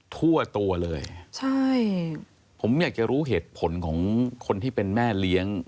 ทั่วตัวเลยใช่ผมอยากจะรู้เหตุผลของคนที่เป็นแม่เลี้ยง